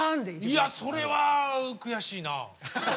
いやそれは悔しいな。